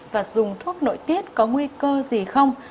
và dùng thuốc nội tiết có nguy cơ gì không